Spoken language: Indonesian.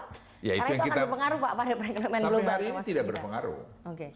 karena itu akan berpengaruh pak pada perekonomian global yang masih kita